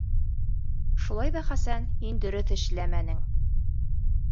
Шулай ҙа, Хәсән, һин дөрөҫ эшләмәнең.